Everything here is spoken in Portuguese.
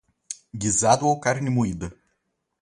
Guisado ou carne moída